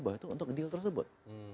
bahwa itu untuk deal tersebut